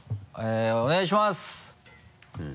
お願いします！